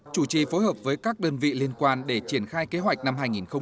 chủ trì phối hợp với các đơn vị liên quan để triển khai kế hoạch năm hai nghìn hai mươi